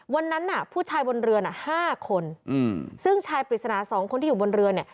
วันนั้นผู้ชายบนเรือ๕คนซึ่งชายปริศนา๒คนที่อยู่บนเรือ